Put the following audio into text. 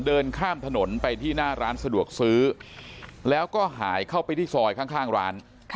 เดินข้ามถนนไปที่หน้าร้านสะดวกซื้อแล้วก็หายเข้าไปที่ซอยข้างร้าน